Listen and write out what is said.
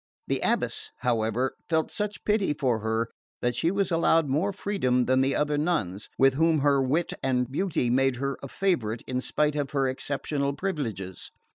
The abbess, however, felt such pity for her that she was allowed more freedom than the other nuns, with whom her wit and beauty made her a favourite in spite of her exceptional privileges.